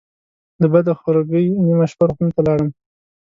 له بده خورګۍ نیمه شپه روغتون ته لاړم.